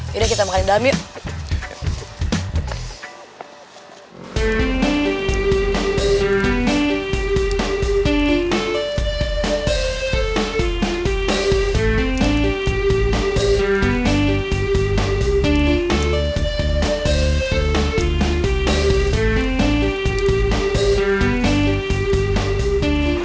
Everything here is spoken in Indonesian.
yaudah kita makan di dalam yuk